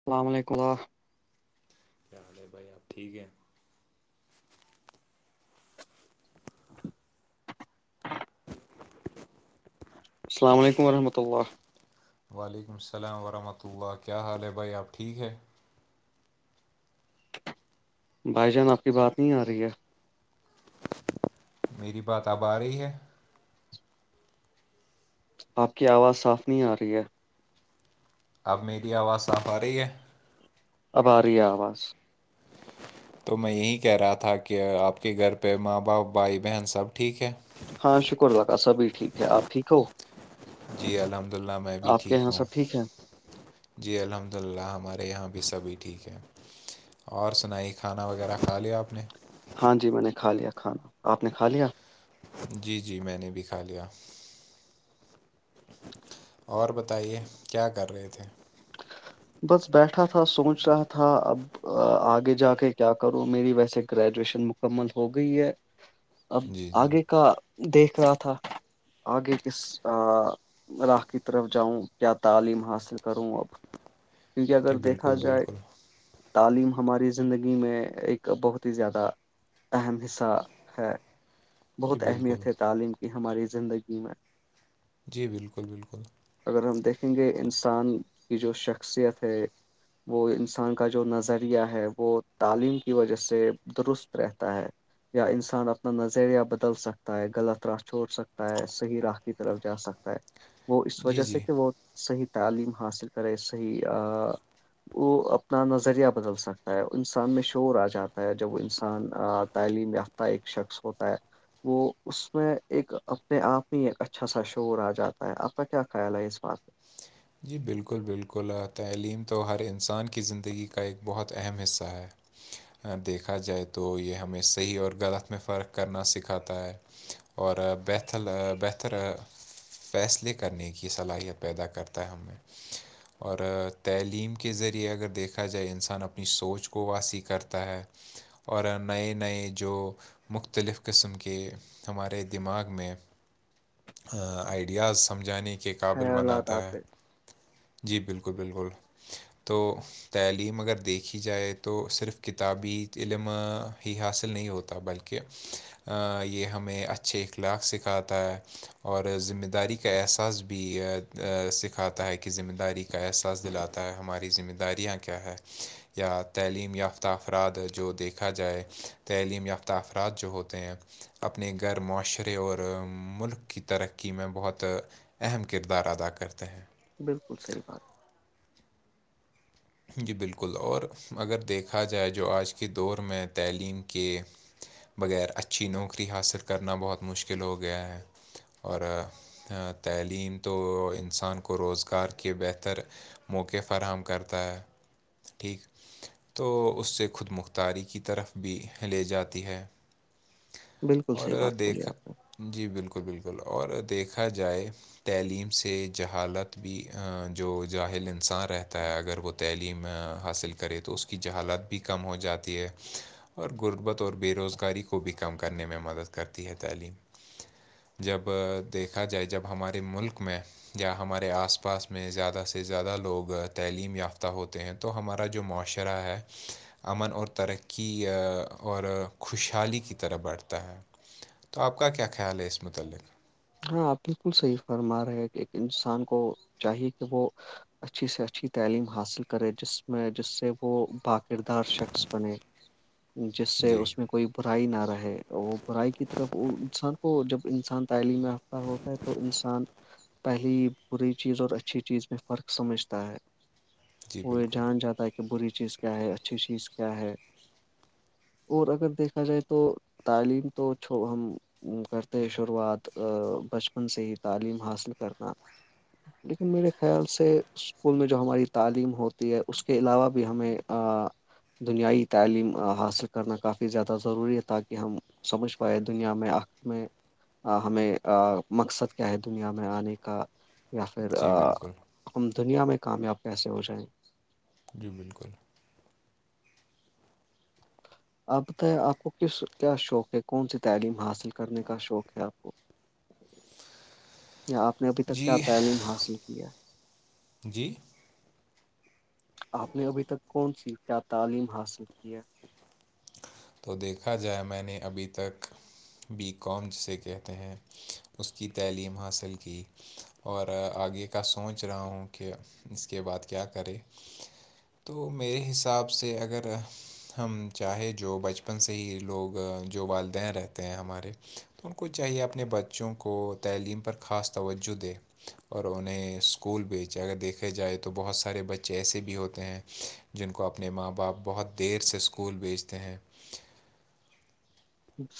السلام علیکم اللہ کیا حال ہے بھائی آپ ٹھیک ہیں السلام علیکم رحمۃ اللہ وعلیکم السلام ورحمۃ اللہ کیا حال ہے بھائی آپ ٹھیک ہے بھائی جان آپ کی بات نہیں آ رہی ہے میری بات اب آ رہی ہے آپ کی آواز صاف نہیں آ رہی ہے اب میری آواز صاف آ رہی ہے اباری آواز [unintelligible] تو میں یہی کہہ رہا تھا کہ آپ کے گھر پہ ماں باپ بھائی بہن سب ٹھیک ہے ہاں شکر الاکاہ سبھی ٹھیک ہے آپ ٹھیک ہو جی الحمد للہ میں بھی آپ کے ٹھیک یہاں ہوں سب ٹھیک ہے جی الحمد للہ ہمارے یہاں بھی سبھی ٹھیک ہیں اور سنائی کھانا وغیرہ کھا لیا آپ نے ہاں جی میں نے کھا لیا کھانا آپ نے کھا لیا جی جی میں نے بھی کھا لیا اور بتائیے کیا کر رہے تھے بس بیٹھا تھا سوچ رہا تھا اب آگے جا کے کیا کروں میری ویسے گریجویشن مکمل ہو گئی ہے اب جی جی آگے کا دیکھ رہا تھا آگے کس علاق کی طرف جاؤں کیا تعلیم حاصل کروں اب کیونکہ اگر جی دیکھا بالکل جائے بالکل تعلیم ہماری زندگی میں ایک بہت ہی زیادہ اہم حصہ ہے جی بہت بالکل اہمیت ہے تعلیم کی ہماری زندگی میں جی بالکل بالکل اگر ہم دیکھیں گے انسان کی جو شخصیت ہے وہ انسان کا جو نظریہ ہے وہ تعلیم کی وجہ سے درست رہتا ہے یا انسان اپنا نظریہ بدل سکتا ہے غلط راہ چھوڑ سکتا ہے صحیح راہ کی طرف جا سکتا ہے وہ اس جی وجہ جی سے کہ وہ صحیح تعلیم حاصل کرے وہ اپنا نظریہ بدل سکتا ہے انسان میں شور آ جاتا جب وہ انسان تعلیم یافتہ ایک شخص ہوتا ہے وہ اس میں ایک اپنے آپ میں ایک اچھا سا شور آ جاتا ہے آپ کا کیا خیال ہے اس بات پ جی بالکل بالکل تعلیم تو ہر انسان کی زندگی کا ایک بہت اہم حصہ ہے دیکھا جائے تو یہ ہمیں صحیح اور غلط میں فرق کرنا سکھاتا ہے اور بیتل بہتر فیصلے کرنے کی صلاحیت پیدا کرتا ہے ہمیں اور تعلیم کے ذریعے اگر دیکھا جائے انسان اپنی سوچ کو واسی کرتا ہے اور نئے نئے جو مختلف قسم کے ہمارے دماغ میں آئیڈیاز سمجھانے کے قابل خیالات بناتا ہے آتے ہیں۔ جی بالکل بالکل تو تعلیم اگر دیکھی جائے تو صرف کتابی علم ہی حاصل نہیں ہوتا بلکہ [unintelligible] [unintelligible] یہ ہمیں اچھے اخلاق سکھاتا ہے اور ذمہ داری کا احساس بھی سکھاتا ہے کہ ذمہ داری کا احساس دلاتا ہے ہماری ذمہ داریاں کیا ہے یا تعلیم یافتہ افراد جو دیکھا جائے تعلیم یافتہ افراد جو ہوتے ہیں اپنے گیر معاشرے اور ملک کی ترقی میں بہت اہم کردار ادا کرتے ہیں [inaudible] [inaudible] جی بالکل اور اگر دیکھا جائے جو آج کے دور میں تعلیم کے بغیر اچھی نوکری حاصل کرنا بہت مشکل ہو گیا ہے اور تعلیم تو انسان کو روزگار کے بہتر موقعے فراہم کرتا ہے ٹھیک تو اس سے خود مختاری کی طرف بھی لے جاتی ہے ہے بالکل اور صحیح بات بولی دیکھ آپ نے جی بالکل بالکل اور دیکھا جائے تعلیم سے جہالت بھی جو جاہل انسان رہتا ہے اگر وہ تعلیم حاصل کرے تو اس کی جہالت بھی کم ہو جاتی ہے اور غربت اور بے روزگاری کو بھی کم کرنے میں مدد کرتی ہے تعلیم جب دیکھا جائے جب ہمارے ملک میں یا ہمارے آس پاس میں زیادہ سے زیادہ لوگ تعلیم یافتہ ہوتے ہیں تو ہمارا جو معاشرہ ہے امن اور ترقی اور خوشحالی کی طرح بڑھتا ہے تو آپ کا کیا خیال ہے اس متعلق ہاںپ بالکل صحیح فرما رہے کہ ایک انسان کو چاہیے کہ وہ اچھی سے اچھی تعلیم حاصل کرے جس میں جس سے وہ باقردار شخص بنے جس سے جی اس میں کوئی برائی نہ رہے وہ برائی کی طرف انسان کو جب انسان تعلیم تو انسان پہلے بری چیز اور اچھی چیز میں فرق سمجھتا ہے جی ارے بالکل جان جاتا ہے کہ بری چیز کا ہے اچھی چیز اور اگر دیکھا جائے تو تعلیم تو ہم کرتے ہیں شروعات ا بچپن سے ہی تعلیم حاصل کرنا لیکن میرے خیال سے اسکول میں جو ہماری تعلیم ہوتی ہے اس کے علاوہ بھی ہمیں آ، [inaudible] دنیائی تعلیم حاصل کرنا کافی زیادہ ضروری ہے تاکہ ہم [unintelligible] سمجھ پاائے دنیا میں آخر میں آ، ہمیں مقصد کیا ہے دنیا میں آنے کا یا پھر جی بالکل ہم دنیا میں کامیاب کیسے ہو جائیں گے جی بالکل آپ بتائیں آپ کو کس کیا شوق ہے کون سی تعلیم حاصل کرنے کا شوق ہے آپ کو آپ نے ابھی تک کیا جی تعلیم حاصل کی ہے [unintelligible] جی آپ نے ابھی تک کون سی کیا تعلیم حاصل کی ہے [inaudible] تو دیکھا جائے میں نے ابھی تک بی کام جسے کہتے ہیں اس کی تعلیم حاصل کی اور آگے کا سوچ رہا ہوں کہ اس کے بعد کیا کرے تو میرے حساب سے اگر ہم چاہے جو بچپن سے ہی لوگ جو والدین رہتے ہیں ہمارے تو ان کو چاہیے اپنے بچوں کو تعلیم پر خاص توجہ دے [unintelligible] اور انہیں اسکول بھیچ اگر دیکھا جائے تو بہت سارے بچے ایسے بھی ہوتے ہیں جن کو اپنے ماں باپ بہت دیر سے اسکول بھیجتے ہیں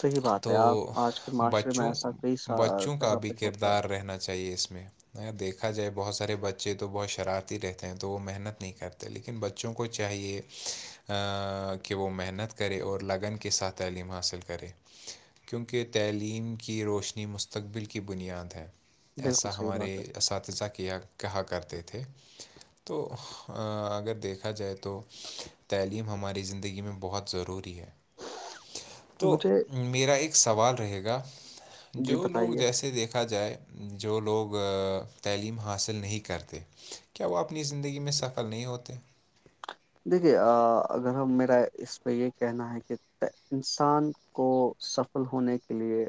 صحیح بات تو ہے آپ آج کے معاشرے میں بچوں ایسا کئی سا بچوں کا جگہ بھی پہ ہوتا کردار ہے رہنا چاہیے اس میں اگر دیکھا جائے بہت سارے بچے تو بہت شرارتی رہتے ہیں تو وہ محنت نہیں کرتے لیکن بچوں کو چاہیے کہ وہ محنت کرے اور لگنک ساتھ تعلیم حاصل کرے کیونکہ تعلیم کی روشنی مستقبل کی بنیاد ہے بالکل ایسا صحیح ہمارے بات اساتذہ کیا کہا کرتے تھے تو اگر دیکھا جائے تو تعلیم ہماری زندگی میں بہت ضروری ہے ہے تو مجھے میرا ایک سوال رہے گا جی جو لوگ بتائیے جیسے دیکھا جائے جو لوگ تعلیم حاصل نہیں کرتے کیا وہ اپنی زندگی میں سفل نہیں ہوتے دیکھیے اگر ہم میرا اس پہ یہ کہنا ہے کہ انسان کو سفل ہونے کے لیے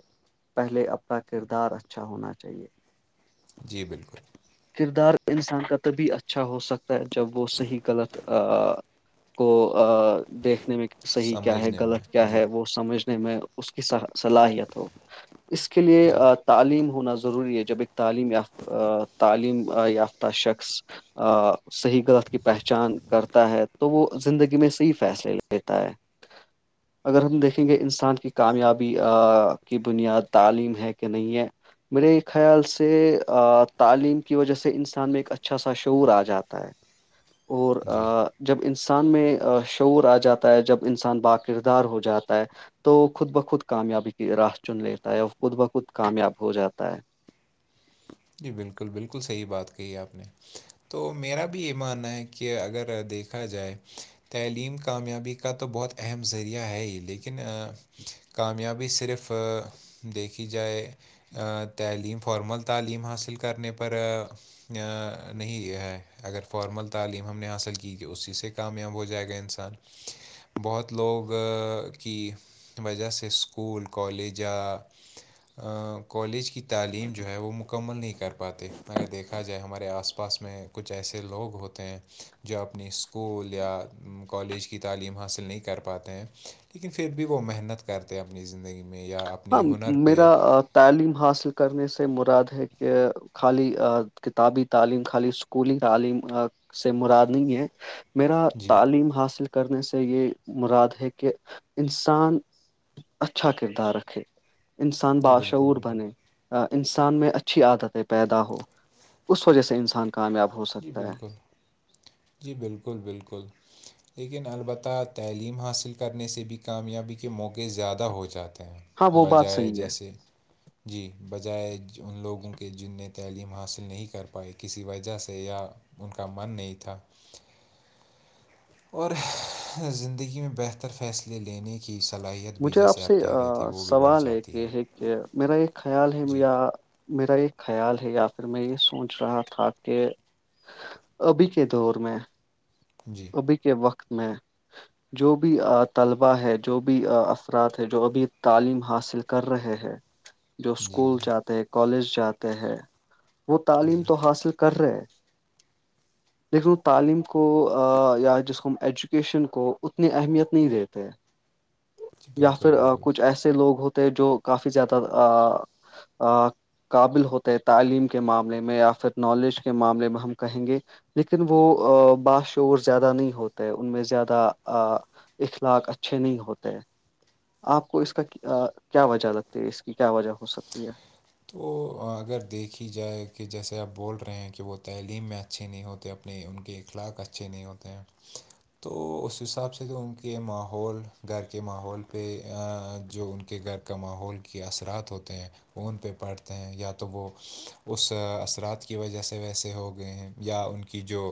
پہلے اپنا کردار اچھا ہونا چاہیے جی بالکل کردار انسان کا تبھی اچھا ہو سکتا ہے جب وہ صحیح غلط [inaudible] کو دیکھنے میں صحیح کیا ہے سمجھنے میں غلط کیا جی ہے وہ سمجھنے میں اس کی صلاحیت ہو اس کے لیے جی تعلیم ہونا ضروری ہے جب ایک تعلیم یا تعلیم یافتہ شخص آ صحیح غلط کی پہچان کرتا ہے تو وہ زندگی میں صحیح فیصلے لیتا ہے [inaudible] اگر ہم دیکھیں گے انسان کی کامیابی کی بنیاد تعلیم ہے کہ نہیں ہے میرے خیال سے آ تعلیم کی وجہ سے انسان میں ایک اچھا سا شعور آ جاتا ہے اور جی [inaudible] آ، جب انسان میں شعور آ جاتا ہے جب انسان با کردار ہو جاتا ہے تو خود بخود کامیابی کی راہ چن لیتا ہے اور خود بخود کامیاب ہو جاتا ہے جی بالکل بالکل صحیح بات کہی ہے آپ نے تو میرا بھی یہ ماننا ہے کہ اگر دیکھا جائے تعلیم کامیابی کا تو بہت اہم ذریعہ ہے ہی لیکن کامیابی صرف دیکھی جائے تعلیم فارمل تعلیم حاصل کرنے پر نہیں ہے اگر فارمل تعلیم ہم نے حاصل کی تو اسی سے کامیاب ہو جائے گا انسان [inaudible] بہت لوگ کی وجہ سے اسکول کالجہ کالج کی تعلیم جو ہے وہ مخ مکمل نہیں کر پاتے اگر دیکھا جائے ہمارے آس پاس میں کچھ ایسے لوگ ہوتے ہیں جو اپنی اسکول یا کالج کی تعلیم حاصل نہیں کر پاتے ہیں لیکن پھر بھی وہ محنت کرتے ہیں اپنی زندگی میں یا ہاں اپنے ہنر پہ میرا آ، تعلیم حاصل کرنے سے مراد ہے کہ خالی کتابی تعلیم خالی اسکولی تعلیم سے مرادنی ہے میرا جی تعلیم حاصل کرنے سے یہ مراد ہے کہ انسان اچھا کردار ہے انسان جی بالکل باشعور بالکل بنے انسان میں اچھی عادتیں پیدا ہو اس وجہ سے انسان کامیاب ہو جی سکتا ہے بالکل جی بالکل بالکل لیکن البتہ تعلیم حاصل کرنے سے بھی کامیابی کے موقعے زیادہ ہو جاتے ہاں ہیں وہ بات بجائے صحیح ہے جیسے جی بجائے ان لوگوں کے جن نے تعلیم حاصل نہیں کر پائے کسی وجہ سے یا ان کا من نہیں تھا اور زندگی میں بہتر فیصل لینے کی صلاحیت بھی مجھے جیسے سے آپ کہہ رہے تھے آ، وہ بھی بڑھ سوال جاتی کہ ہے کہ میرا ایک خیال ہے جی یا میرا یہ خیال ہے یا پھر میں یہ سوچ رہا تھا کہ ابھی کے دور میں جی ابھی کے وقت میں جو بھی طلباء ہے جو بھی افراد ہے جو بھی تعلیم حاصل کر رہے ہے [inaudible] جو اسکول جی جاتے ہیں کالج جاتے ہیں وہ تعلیم جی تو جی حاصل کر رہے دیکھ لو تعلیم کو یا جس کو ہم ایجوکیشن کو اتنی اہمیت نہیں دیتے یا بالکل پھر بالکل کچھ ایسے لوگ ہوتے ہیں جو کافی زیادہ آ قابل ہوتے ہے تعلیم کے معاملے میں یا پھر نالج کے معاملے میں ہم کہیں گے لیکن وہ باش شور زیادہ نہیں ہوتے ان میں زیادہ اخلاق اچھے نہیں ہوتے آپ کو اس کا کیا وجہ لگتی ہے اس کی کیا وجہ ہو سکتی ہے تو اگر دیکھی جائے کہ جیسے آپ بول رہے ہیں کہ وہ تعلیم میں اچھے نہیں ہوتے اپ نہیں ان کے اخلاق اچھے نہیں ہوتے ہیں تو اس حساب سے جو ان کے ماحول گھر کے ماحول پہ جو ان کے گھر کا ماحول کے اثرات ہوتے ہیں فون پہ پڑھتے ہیں یا تو وہ اس اثرات کی وجہ سے ویسے ہو گئے ہیں یا ان کی جو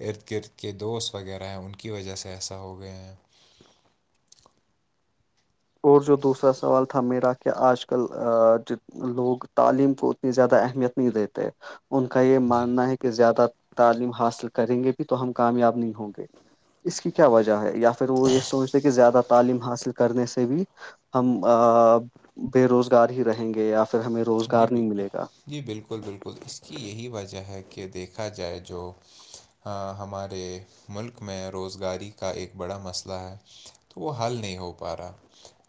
ارد گرد کے دوست وغیرہ ہیں ان کی وجہ سے ایسا ہو گئے ہیں اور جو دوسرا سوال تھا میرا کہ آج کل لوگ تعلیم کو اتنی زیادہ اہمیت نہیں دیتے ان کا یہ جی ماننا ہے کہ زیادہ تعلیم حاصل کریں گے بھی تو ہم کامیاب نہیں ہوں گے اس کی کیا وجہ ہے یا پھر وہ یہ سوچتے کہ زیادہ تعلیم حاصل کرنے سے بھی ہم بے روزگار ہی رہیں گے یا پھر ہمیں جی روزگار بل نہیں ملے گا جی بالکل بالکل اس کی یہی وجہ ہے کہ دیکھا جائے جو ہاں ہمارے ملک میں روزگاری کا ایک بڑا مسئلہ ہے تو وہ حل نہیں ہو پا رہا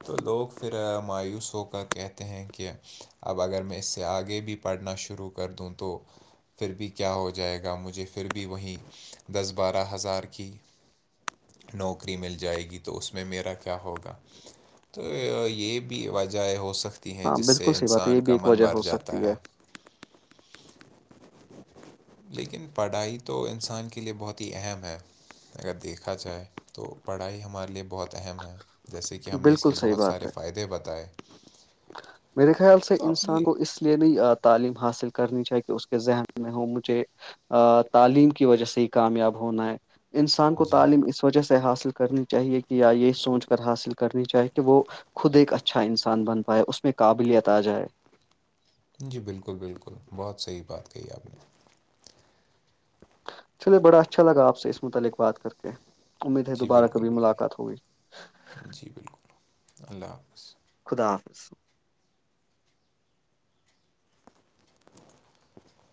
تو لوگ پھر مایوس ہو کر کہتے ہیں کہ اب اگر میں اس سے آگے بھی پڑھنا شروع کر دوں تو پھر بھی کیا ہو جائے گا مجھے پھر بھی وہیں دس بارہ ہزار کی نوکری مل جائے گی تو اس میں میرا کیا ہو گا تو یہ بھی وجہ ہو سکتی ہیں ہاں جس بالکل سے صحیح بات ہے یہ انسان بھی کا ایک من وجہ بر ہو جاتا سکتی ہے لیکن پڑھائی تو انسان کے لیے بہت ہی اہم ہے اگر دیکھا جائے تو پڑھائی ہمارے لیے بہت اہم ہیں جیسے کہ ہم نے اس بالکل کے صحیح بہت بات سارے ہے فائدے بتائے میرے خیال سے تو انسان اپنی کو اس لیے نہیں آتا تعلیم حاصل کرنی چاہے کہ اس کے ذہن میں ہو مجھے آ تعلیم کی وجہ سے ہی کامیاب ہونا ہے انسان کو جی تعلیم اس وجہ سے حاصل کرنی چاہیے کہ یا یہ سوچ کر حاصل کرنی چاہے کہ وہ خود ایک اچھا انسان بن پائے اس میں قابلیت آ جائے جی بالکل بالکل بہت صحیح بات کہی آپ نے چلے بڑا اچھا لگا آپ سے اس متعلق بات کر کے امید ہے جی دوبارہ بالکل کبھی بالکل ملاقات ہوگئی جی بالکل اللہ حافظ خدا حافظ [unintelligible]